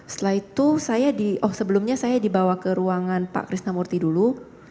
setelah itu saya di oh sebelumnya saya dibawa ke ruangan pak krisnamurti dulu